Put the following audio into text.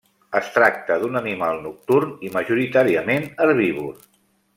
Es tracta d'un animal nocturn i majoritàriament herbívor.